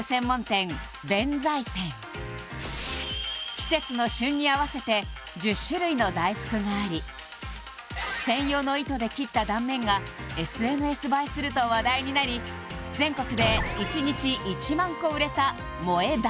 季節の旬に合わせて１０種類の大福があり専用の糸で切った断面がＳＮＳ映えすると話題になり全国で１日１万個売れた萌え断